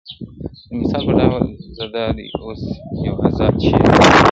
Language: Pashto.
د مثال په ډول زه دادی اوس یو آزاد شعر لیکم -